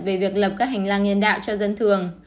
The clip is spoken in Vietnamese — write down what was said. về việc lập các hành lang nhân đạo cho dân thường